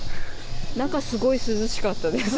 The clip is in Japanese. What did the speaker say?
中、すごい涼しかったです。